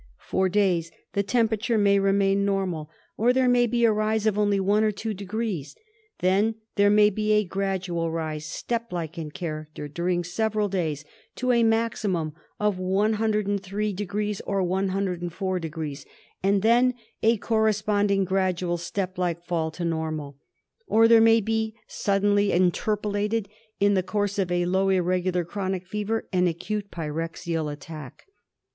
For days the temperature may remaini normal, or there may be a rise of only one or two degrees.' Then there may be a gradual rise, step like in character,! during several days to a maximum of 103° or 104°, and then a corresponding gradual step like fall to normal. Or there may be suddenly interpolated in the course of a, low irregular chronic fever an acute pyrexial attack.